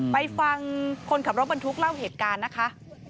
ไปฟังคนขับรถบรรทุกเล่าเหตุการณ์นะคะ